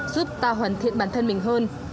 giúp ta hoàn thiện bản thân mình hơn